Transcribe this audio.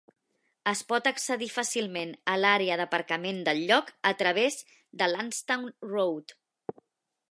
Es pot accedir fàcilment a l'àrea d'aparcament del lloc a través de Landstown Road.